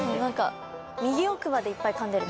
右奥歯でいっぱいかんでる。